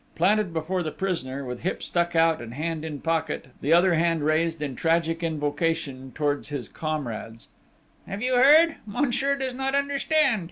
Planted before the prisoner, with hip stuck out and hand in pocket, the other hand raised in tragic invocation towards his comrades: "You have heard?... Monsieur does not understand!...